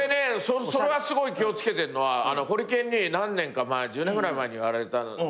俺すごい気を付けてるのはホリケンに１０年ぐらい前に言われた。